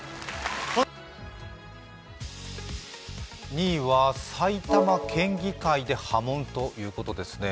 ２位は埼玉県議会で波紋ということですね。